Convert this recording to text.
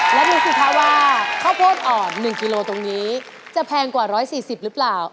แล้วดูสิคะว่าข้าวโพดอ่อน๑กิโลตรงนี้จะแพงกว่า๑๔๐หรือเปล่า